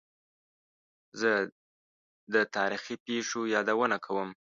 زه د تاریخي پېښو یادونه کوم.